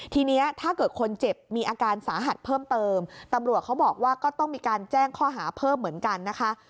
ทีนี้ถ้าเกิดคนเจ็บมีอาการสาหัสเพิ่มเติมตำรวจเขาบอกว่าก็ต้องมีการแจ้งข้อหาเพิ่มเหมือนกันนะคะ